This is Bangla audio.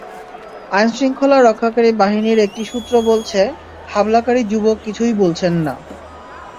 আইনশৃঙ্খলা রক্ষাকারী বাহিনীর একটি সূত্র বলছে, হামলাকারী যুবক কিছুই বলছেন না।